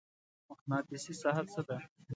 مقناطیسي ساحه څه ده؟